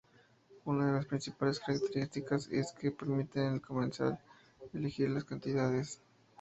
Una de las principales características es que permiten al comensal elegir las cantidades.